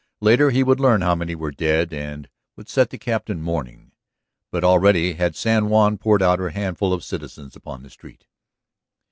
Later he would learn how many were dead and would set the Captain mourning. But already had San Juan poured out her handful of citizens upon the street.